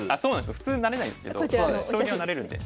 普通なれないんですけど将棋はなれるんで。